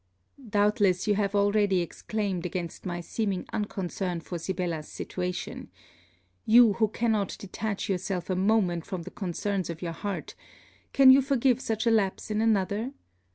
Doubtless you have already exclaimed against my seeming unconcern for Sibella's situation. You, who cannot detach yourself a moment from the concerns of your heart, can you forgive such a lapse in another.